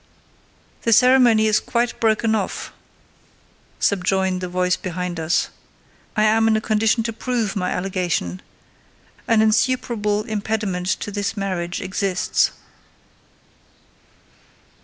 "The ceremony is quite broken off," subjoined the voice behind us. "I am in a condition to prove my allegation: an insuperable impediment to this marriage exists."